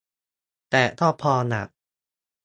แต่ก็พอละ